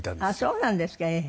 あっそうなんですか。